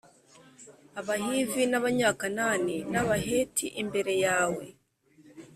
abahivi n abanyakanani n abaheti imbere yawe